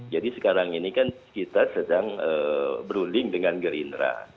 jadi sekarang ini kan kita sedang beruling dengan gerindra